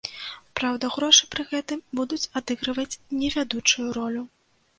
Праўда, грошы пры гэтым будуць адыгрываць не вядучую ролю.